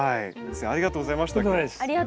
先生ありがとうございました今日。